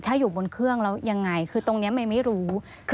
ถ้าอยู่บนเครื่องแล้วยังไงคือตรงนี้เมย์ไม่รู้